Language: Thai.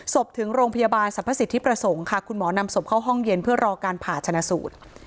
ถึงโรงพยาบาลสรรพสิทธิประสงค์ค่ะคุณหมอนำศพเข้าห้องเย็นเพื่อรอการผ่าชนะสูตร